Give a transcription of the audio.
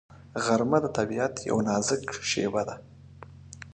غرمه د طبیعت یو نازک شېبه ده